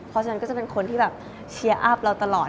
เพราะฉะนั้นก็จะเป็นคนที่แบบเชียร์อัพเราตลอด